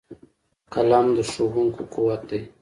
قلم د ښوونکو قوت دی